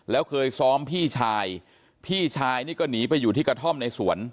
แล้วเคยซ้อมพี่ชายพี่ชายนี่ก็หนีไปอยู่ที่กระท่อมในสวน